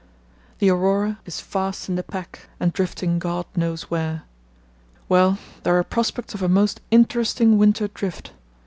"The Aurora is fast in the pack and drifting God knows where. Well, there are prospects of a most interesting winter drift.